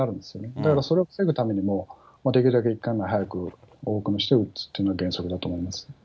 だからそれを防ぐためにも、できるだけ１回目を早く、多くの人に打つっていうのが原則だと思います。